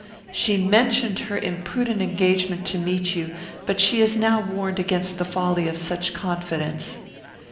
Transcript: She mentioned her imprudent engagement to meet you, but she is now warned against the folly of such confidence.